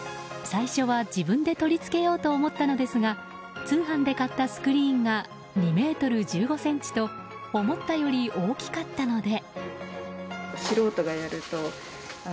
最初は、自分で取り付けようと思ったのですが通販で買ったスクリーンが２ｍ１５ｃｍと思ったより大きかったので。